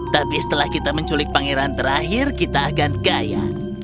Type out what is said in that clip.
tapi setelah kita menculik pangeran terakhir kita akan kaya